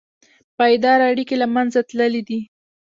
پایداره اړیکې له منځه تللي دي.